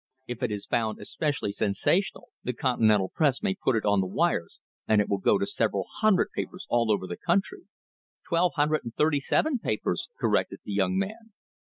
If it is found especially senational, the Continental Press may put it on its wires, and it will go to several hundred papers all over the country " "Twelve hundred and thirty seven papers," corrected the young man.